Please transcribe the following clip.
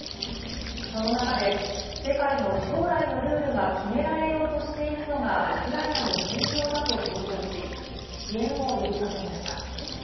その中で、世界の将来のルールが決められようとしているのがウクライナの戦場だと強調し、支援を呼びかけました。